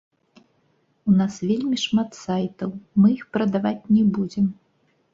У нас вельмі шмат сайтаў, мы іх прадаваць не будзем.